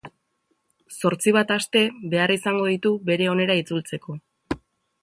Zortzi bat aste behar izango ditu bere onera itzultzeko.